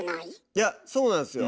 いやそうなんすよ。